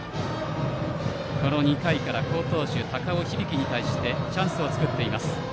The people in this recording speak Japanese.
この２回から好投手高尾響に対してチャンスを作っています。